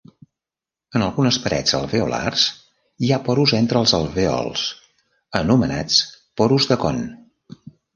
En algunes parets alveolars hi ha porus entre els alvèols anomenats porus de Kohn.